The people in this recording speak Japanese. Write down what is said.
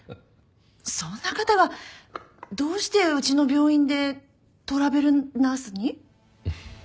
そんな方がどうしてうちの病院でトラベルナースに？